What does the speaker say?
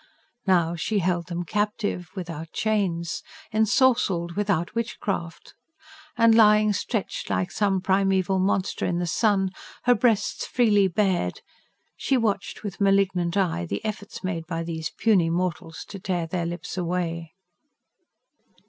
Now, she held them captive without chains; ensorcelled without witchcraft; and, lying stretched like some primeval monster in the sun, her breasts freely bared, she watched, with a malignant eye, the efforts made by these puny mortals to tear their lips away.